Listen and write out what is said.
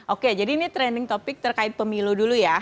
oke jadi ini trending topic terkait pemilu dulu ya